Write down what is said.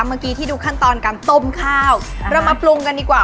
เมื่อกี้ที่ดูขั้นตอนการต้มข้าวเรามาปรุงกันดีกว่า